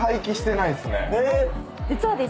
実はですね